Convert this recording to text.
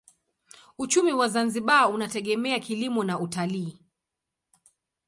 Uchumi wa Zanzibar unategemea kilimo na utalii.